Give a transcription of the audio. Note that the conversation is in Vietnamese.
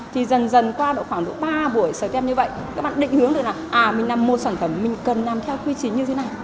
thì dần dần qua khoảng độ ba buổi stem như vậy các bạn định hướng được là à mình làm một sản phẩm mình cần làm theo quy trình như thế này